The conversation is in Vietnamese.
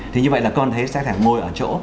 thì như vậy là cơ quan thuế sẽ thể ngồi ở chỗ